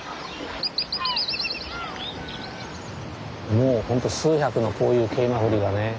もうほんと数百のこういうケイマフリがね